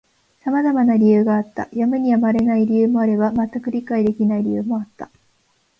様々な理由があった。やむにやまれない理由もあれば、全く理解できない理由もあった。